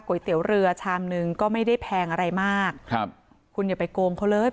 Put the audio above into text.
เตี๋ยวเรือชามหนึ่งก็ไม่ได้แพงอะไรมากครับคุณอย่าไปโกงเขาเลย